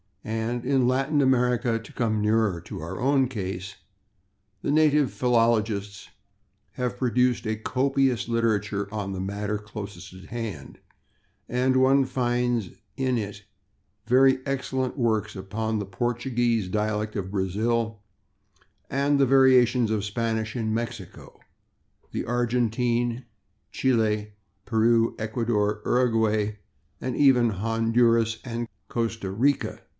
And in Latin America, to come nearer to our own case, the native philologists have produced a copious literature on the matter closest at hand, [Pg006] and one finds in it very excellent works upon the Portuguese dialect of Brazil, and the variations of Spanish in Mexico, the Argentine, Chili, Peru, Ecuador, Uraguay and even Honduras and Costa Rica.